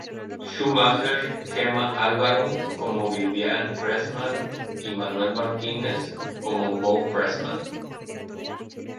Schumacher, Gema Álvaro como Vivian Pressman y Manuel Martínez como Moe Pressman.